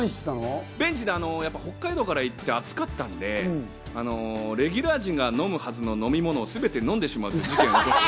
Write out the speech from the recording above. ベンチで北海道から行って暑かったんで、レギュラー陣が飲むはずの飲み物をすべて飲んでしまうという。